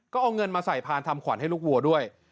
ก็เอาเงินมาใส่พานทำขวัญให้ลูกวัวด้วย